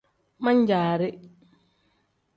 Man-jaari.